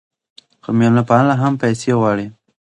خو میلمه پالنه هم پیسې غواړي.